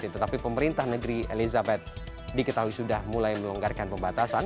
tetapi pemerintah negeri elizabeth diketahui sudah mulai melonggarkan pembatasan